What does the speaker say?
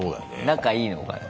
仲いいのかな？